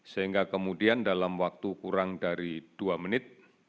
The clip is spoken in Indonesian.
sehingga kemudian dalam waktu kurang dari dua menit